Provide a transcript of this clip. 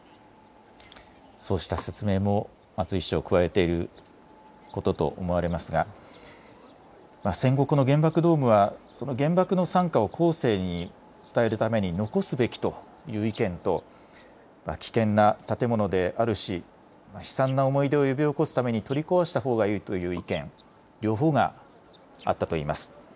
そうした説明も松井市長、加えていることと思われますが戦後、原爆ドームは原爆の惨禍を後世に伝えるために残すべきという意見と危険な建物であるし、悲惨な思い出を呼び起こすために取り壊したほうがいいという意見、両方があったといいます。